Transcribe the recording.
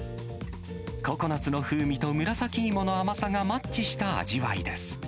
ココナツの風味と紫芋の甘さがマッチした味わいです。